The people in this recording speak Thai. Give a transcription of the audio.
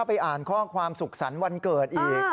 ไปอ่านข้อความสุขสรรค์วันเกิดอีก